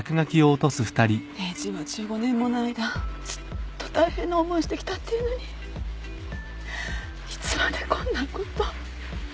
エイジは１５年もの間ずっと大変な思いしてきたっていうのにいつまでこんなこと。